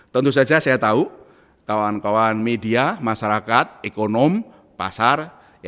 tentu saja saya tahu kawan kawan media masyarakat ekonom pasar